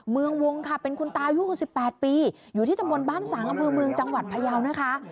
เมืองวงค่ะเป็นคุณตายุคสิบแปดปีอยู่ที่จังหวันบ้านสามและเมืองเมืองจังหวัดพยาวนะคะ